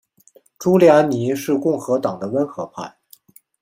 朱利安尼是共和党的温和派。